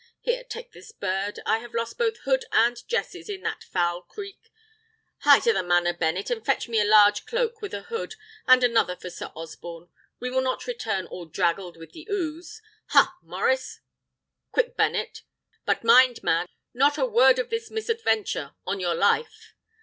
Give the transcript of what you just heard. Here, take this bird. I have lost both hood and jesses in that foul creek. Hie to the manor, Bennet, and fetch me a large cloak with a hood, and another for Sir Osborne. We will not return all draggled with the ooze; ha, Maurice! Quick, Bennet! But mind, man; not a word of this misadventure, on your life!"